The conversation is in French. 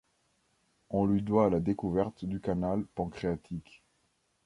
On lui doit la découverte du canal pancréatique.